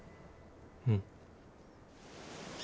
うん。